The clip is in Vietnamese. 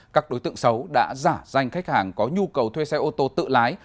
các đối tượng xấu đã giả danh khách hàng có nhu cầu thuê xe ô tô tự lái